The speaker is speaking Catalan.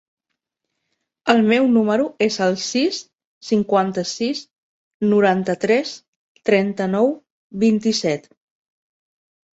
El meu número es el sis, cinquanta-sis, noranta-tres, trenta-nou, vint-i-set.